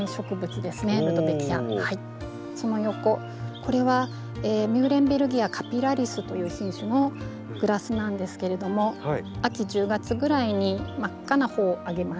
その横これはミューレンベルギア・カピラリスという品種のグラスなんですけれども秋１０月ぐらいに真っ赤な穂を上げます。